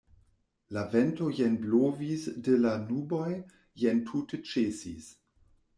La vento jen blovis de la nuboj, jen tute ĉesis.